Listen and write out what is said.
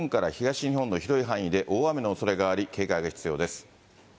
一方で来週にかけて、西日本から東日本の広い範囲で大雨のおそれがあり、警戒が必要です。